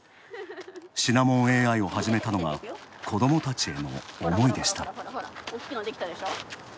シナモンＡＩを始めたのは子どもたちへの思いでした。